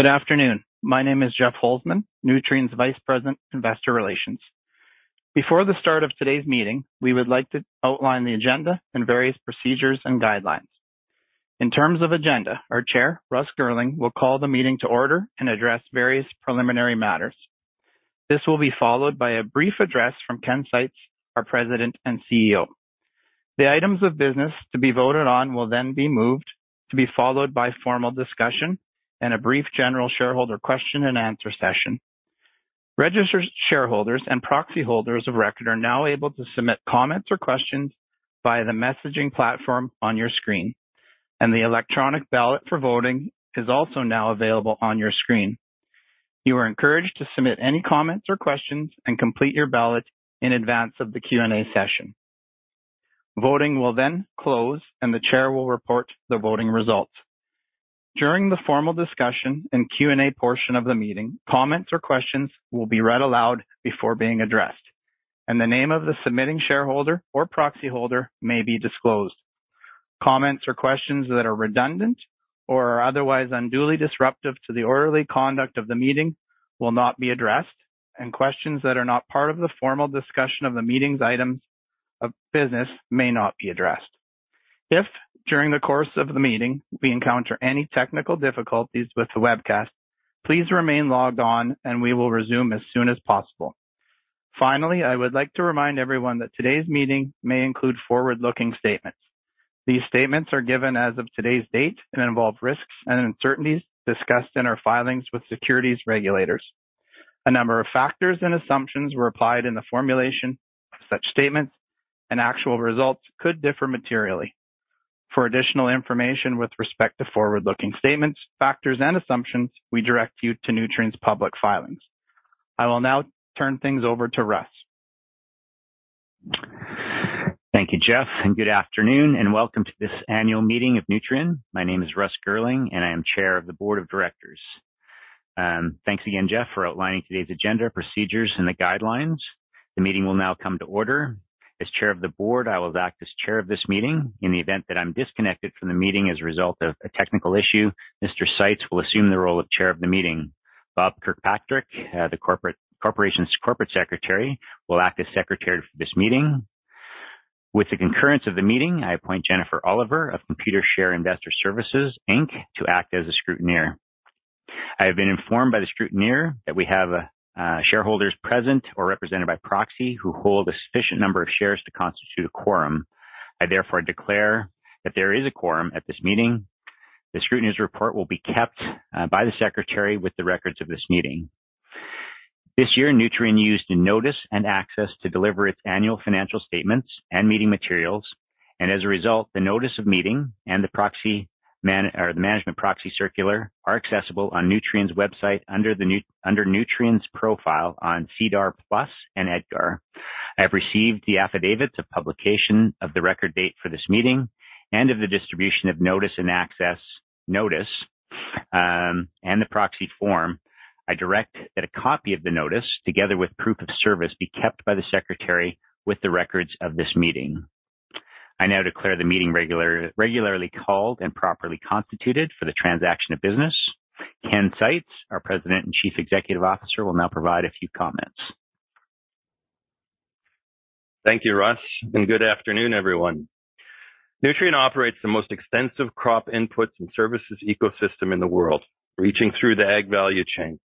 Good afternoon. My name is Jeff Holzman, Nutrien's Vice President, Investor Relations. Before the start of today's meeting, we would like to outline the agenda and various procedures and guidelines. In terms of agenda, our Chair, Russ Girling, will call the meeting to order and address various preliminary matters. This will be followed by a brief address from Ken Seitz, our President and CEO. The items of business to be voted on will then be moved to be followed by formal discussion and a brief general shareholder question and answer session. Registered shareholders and proxy holders of record are now able to submit comments or questions via the messaging platform on your screen, and the electronic ballot for voting is also now available on your screen. You are encouraged to submit any comments or questions and complete your ballot in advance of the Q&A session. Voting will then close, and the chair will report the voting results. During the formal discussion and Q&A portion of the meeting, comments or questions will be read aloud before being addressed, and the name of the submitting shareholder or proxy holder may be disclosed. Comments or questions that are redundant or otherwise unduly disruptive to the orderly conduct of the meeting will not be addressed, and questions that are not part of the formal discussion of the meeting's items of business may not be addressed. If, during the course of the meeting, we encounter any technical difficulties with the webcast, please remain logged on and we will resume as soon as possible. Finally, I would like to remind everyone that today's meeting may include forward-looking statements. These statements are given as of today's date and involve risks and uncertainties discussed in our filings with securities regulators. A number of factors and assumptions were applied in the formulation of such statements, and actual results could differ materially. For additional information with respect to forward-looking statements, factors and assumptions, we direct you to Nutrien's public filings. I will now turn things over to Russ. Thank you, Jeff, and good afternoon and welcome to this annual meeting of Nutrien. My name is Russ Girling, and I am Chair of the Board of Directors. Thanks again, Jeff, for outlining today's agenda, procedures and the guidelines. The meeting will now come to order. As Chair of the Board, I will act as chair of this meeting. In the event that I'm disconnected from the meeting as a result of a technical issue, Mr. Seitz will assume the role of chair of the meeting. Robert Kirkpatrick, the corporation's Corporate Secretary, will act as secretary for this meeting. With the concurrence of the meeting, I appoint Jennifer Oliver of Computershare Investor Services Inc. to act as a scrutineer. I have been informed by the scrutineer that we have shareholders present or represented by proxy who hold a sufficient number of shares to constitute a quorum. I therefore declare that there is a quorum at this meeting. The scrutineer's report will be kept by the secretary with the records of this meeting. This year, Nutrien used Notice and Access to deliver its annual financial statements and meeting materials, and as a result, the notice of meeting and the management proxy circular are accessible on Nutrien's website under Nutrien's profile on SEDAR+ and EDGAR. I have received the affidavits of publication of the record date for this meeting and of the distribution of Notice and Access notice and the proxy form. I direct that a copy of the notice, together with proof of service, be kept by the secretary with the records of this meeting. I now declare the meeting regularly called and properly constituted for the transaction of business. Ken Seitz, our President and Chief Executive Officer, will now provide a few comments. Thank you, Russ, and good afternoon, everyone. Nutrien operates the most extensive crop inputs and services ecosystem in the world, reaching through the ag value chain.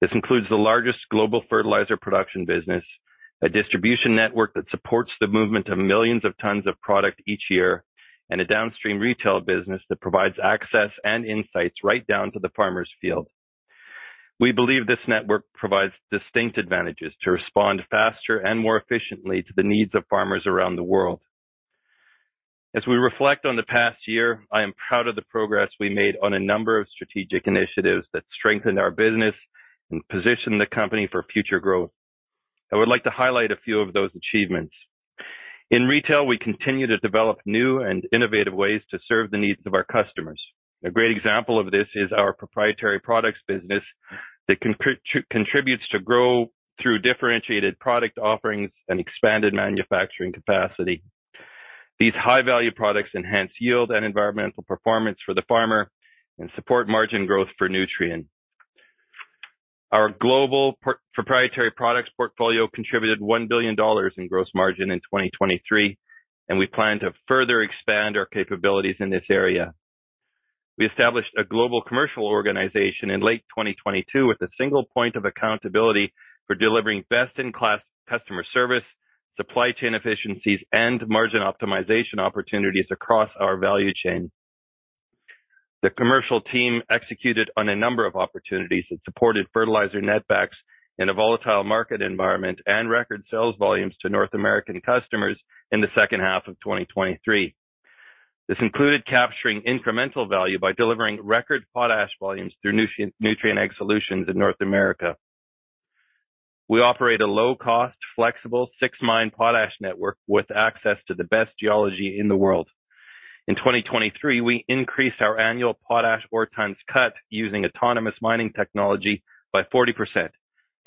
This includes the largest global fertilizer production business, a distribution network that supports the movement of millions of tons of product each year, and a downstream retail business that provides access and insights right down to the farmer's field. We believe this network provides distinct advantages to respond faster and more efficiently to the needs of farmers around the world. As we reflect on the past year, I am proud of the progress we made on a number of strategic initiatives that strengthen our business and position the company for future growth. I would like to highlight a few of those achievements. In retail, we continue to develop new and innovative ways to serve the needs of our customers. A great example of this is our proprietary products business that contributes to grow through differentiated product offerings and expanded manufacturing capacity. These high-value products enhance yield and environmental performance for the farmer and support margin growth for Nutrien. Our global proprietary products portfolio contributed $1 billion in gross margin in 2023, and we plan to further expand our capabilities in this area. We established a global commercial organization in late 2022 with a single point of accountability for delivering best-in-class customer service, supply chain efficiencies, and margin optimization opportunities across our value chain. The commercial team executed on a number of opportunities that supported fertilizer netbacks in a volatile market environment and record sales volumes to North American customers in the second half of 2023. This included capturing incremental value by delivering record potash volumes through Nutrien Ag Solutions in North America. We operate a low-cost, flexible six-mine potash network with access to the best geology in the world. In 2023, we increased our annual potash ore tons cut using autonomous mining technology by 40%,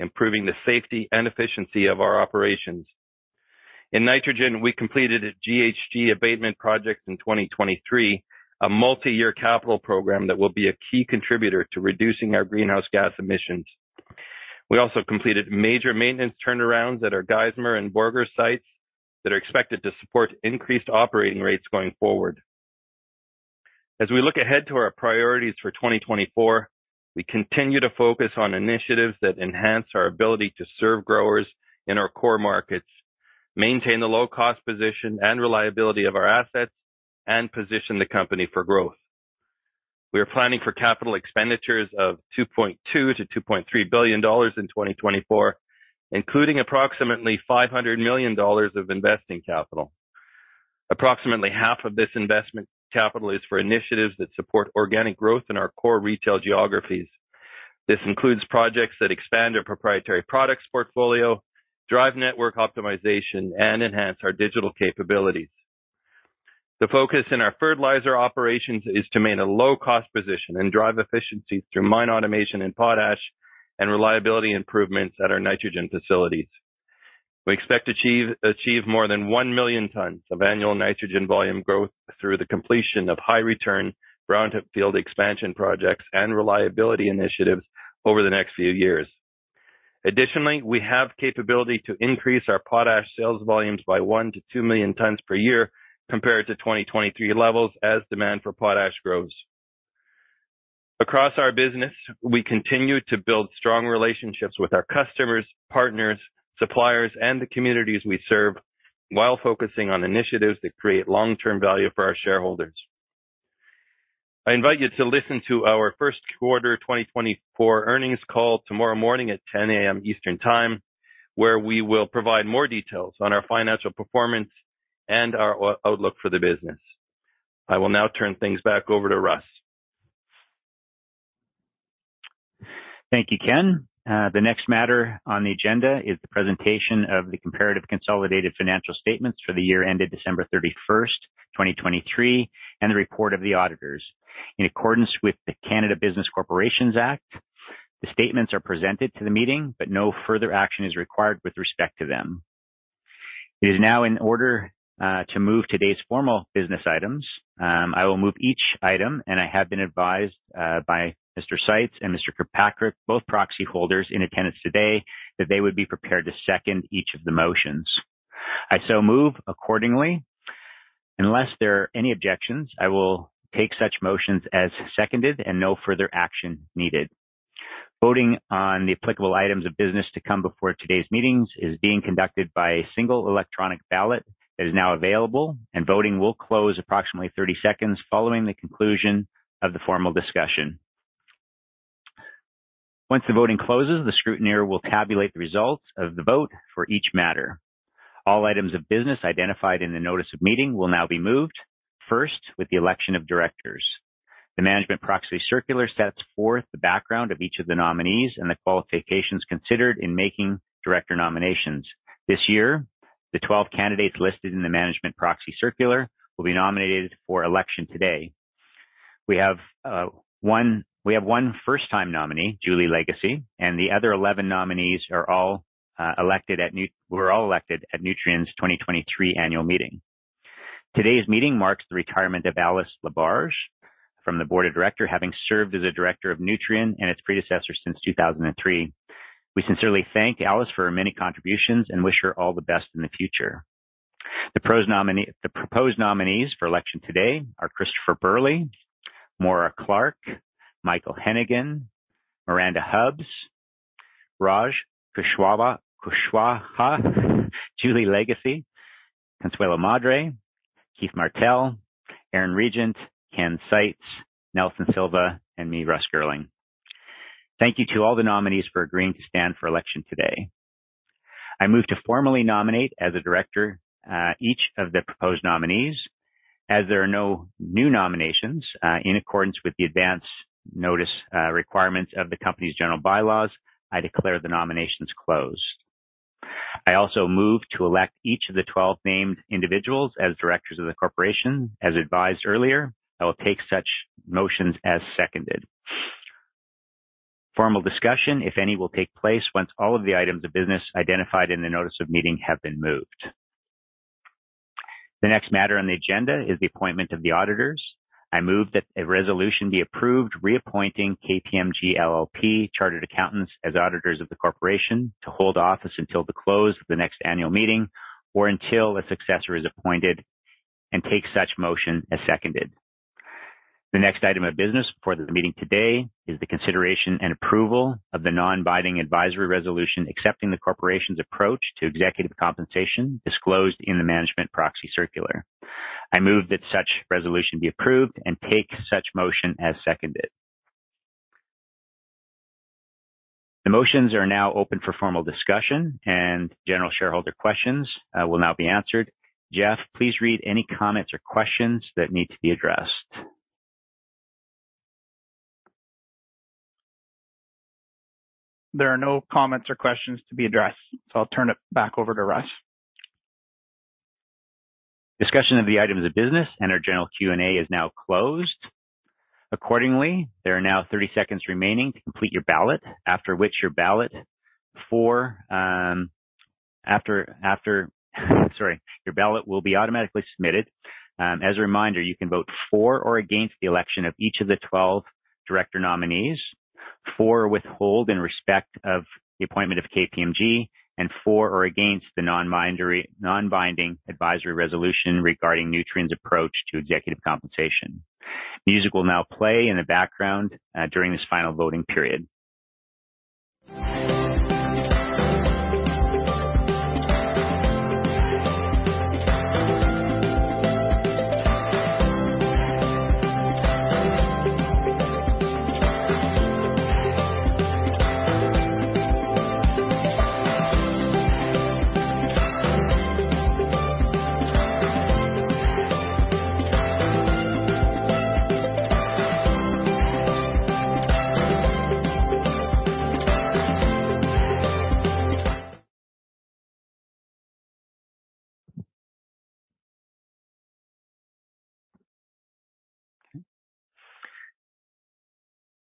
improving the safety and efficiency of our operations. In nitrogen, we completed a GHG abatement project in 2023, a multi-year capital program that will be a key contributor to reducing our greenhouse gas emissions. We also completed major maintenance turnarounds at our Geismar and Borger sites that are expected to support increased operating rates going forward. As we look ahead to our priorities for 2024, we continue to focus on initiatives that enhance our ability to serve growers in our core markets, maintain the low-cost position and reliability of our assets, and position the company for growth. We are planning for capital expenditures of $2.2 billion-$2.3 billion in 2024, including approximately $500 million of investing capital. Approximately half of this investment capital is for initiatives that support organic growth in our core retail geographies. This includes projects that expand our proprietary products portfolio, drive network optimization, and enhance our digital capabilities. The focus in our fertilizer operations is to maintain a low-cost position and drive efficiencies through mine automation in potash and reliability improvements at our nitrogen facilities. We expect to achieve more than one million tons of annual nitrogen volume growth through the completion of high-return brownfield expansion projects and reliability initiatives over the next few years. Additionally, we have capability to increase our potash sales volumes by one million tons -two million tons per year compared to 2023 levels as demand for potash grows. Across our business, we continue to build strong relationships with our customers, partners, suppliers, and the communities we serve while focusing on initiatives that create long-term value for our shareholders. I invite you to listen to our first quarter 2024 earnings call tomorrow morning at 10:00 A.M. Eastern Time, where we will provide more details on our financial performance and our outlook for the business. I will now turn things back over to Russ. Thank you, Ken. The next matter on the agenda is the presentation of the comparative consolidated financial statements for the year ended December 31, 2023, and the report of the auditors. In accordance with the Canada Business Corporations Act, the statements are presented to the meeting, but no further action is required with respect to them. It is now in order to move today's formal business items. I will move each item, and I have been advised by Mr. Seitz and Mr. Kirkpatrick, both proxy holders in attendance today, that they would be prepared to second each of the motions. I so move accordingly. Unless there are any objections, I will take such motions as seconded and no further action needed. Voting on the applicable items of business to come before today's meetings is being conducted by a single electronic ballot that is now available, and voting will close approximately 30 seconds following the conclusion of the formal discussion. Once the voting closes, the scrutineer will tabulate the results of the vote for each matter. All items of business identified in the notice of meeting will now be moved, first with the election of directors. The management proxy circular sets forth the background of each of the nominees and the qualifications considered in making director nominations. This year, the 12 candidates listed in the management proxy circular will be nominated for election today. We have one first-time nominee, Julie Lagacy, and the other 11 nominees are all elected at Nutrien's 2023 annual meeting. Today's meeting marks the retirement of Alice Laberge from the board of directors, having served as a director of Nutrien and its predecessor since 2003. We sincerely thank Alice for her many contributions and wish her all the best in the future. The proposed nominees for election today are Christopher Burley, Maura Clark, Michael Hennigan, Miranda Hubbs, Raj Kushwaha, Julie Lagacy, Consuelo Madere, Keith Martell, Aaron Regent, Ken Seitz, Nelson Silva, and me, Russ Girling. Thank you to all the nominees for agreeing to stand for election today. I move to formally nominate as a director each of the proposed nominees as there are no new nominations. In accordance with the advance notice requirements of the company's general bylaws, I declare the nominations closed. I also move to elect each of the 12 named individuals as directors of the corporation. As advised earlier, I will take such motions as seconded. Formal discussion, if any, will take place once all of the items of business identified in the notice of meeting have been moved. The next matter on the agenda is the appointment of the auditors. I move that a resolution be approved reappointing KPMG LLP Chartered Accountants as auditors of the corporation to hold office until the close of the next annual meeting or until a successor is appointed and take such motion as seconded. The next item of business for the meeting today is the consideration and approval of the non-binding advisory resolution accepting the corporation's approach to executive compensation disclosed in the management proxy circular. I move that such resolution be approved and take such motion as seconded. The motions are now open for formal discussion, and general shareholder questions will now be answered. Jeff, please read any comments or questions that need to be addressed. There are no comments or questions to be addressed, so I'll turn it back over to Russ. Discussion of the items of business and our general Q&A is now closed. Accordingly, there are now 30 seconds remaining to complete your ballot, after which your ballot will be automatically submitted. As a reminder, you can vote for or against the election of each of the 12 director nominees. For or withhold in respect of the appointment of KPMG and for or against the non-binding advisory resolution regarding Nutrien's approach to executive compensation. Music will now play in the background during this final voting period.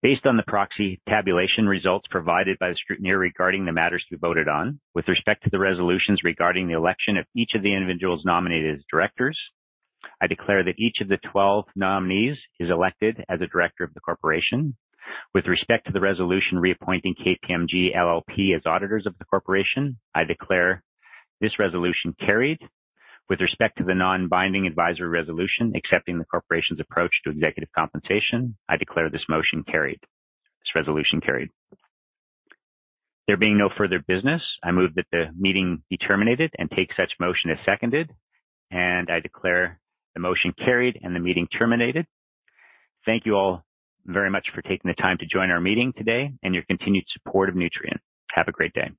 Based on the proxy tabulation results provided by the scrutineer regarding the matters we voted on with respect to the resolutions regarding the election of each of the individuals nominated as directors, I declare that each of the 12 nominees is elected as a director of the corporation. With respect to the resolution reappointing KPMG LLP as auditors of the corporation, I declare this resolution carried. With respect to the non-binding advisory resolution accepting the corporation's approach to executive compensation, I declare this resolution carried. There being no further business, I move that the meeting be terminated and take such motion as seconded, and I declare the motion carried and the meeting terminated. Thank you all very much for taking the time to join our meeting today and your continued support of Nutrien. Have a great day.